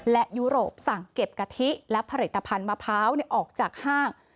และยุโรปสั่งเก็บกะทิและผลิตภัณฑ์มะพร้าวออกจากห้าง